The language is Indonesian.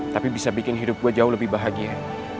tapi bisa bikin hidup gue jauh lebih bahagia